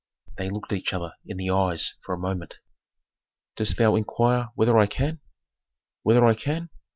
They looked each other in the eyes for a moment. "Dost thou inquire whether I can? Whether I can?